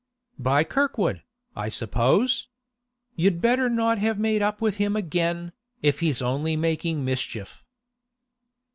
'By Kirkwood, I suppose? You'd better not have made up with him again, if he's only making mischief.